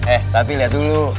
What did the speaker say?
eh tapi lihat dulu